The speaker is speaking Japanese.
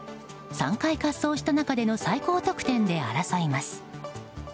３回滑走した中での最高得点で争います。